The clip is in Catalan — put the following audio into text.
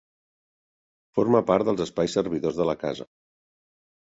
Forma part dels espais servidors de la casa.